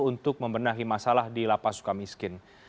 untuk membenahi masalah di lapas suka miskin